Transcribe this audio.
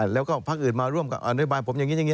แล้วก็พักอื่นมาร่วมกับนโยบายผมอย่างนี้อย่างนี้